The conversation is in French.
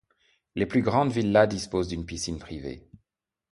Les plus grandes villas disposent d'une piscine privée.